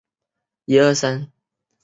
这是国共内战以后双方官员首次接触。